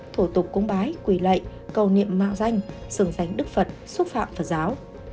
thủ tục cúng bái quỷ lệ cầu niệm mạng danh xứng danh đức phật xúc phạm phật giáo